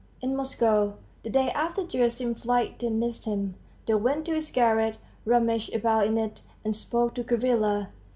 ... In Moscow the day after Gerasim's flight they missed him. They went to his garret, rummaged about in it, and spoke to Gavrila.